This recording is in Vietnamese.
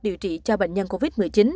điều trị cho bệnh nhân covid một mươi chín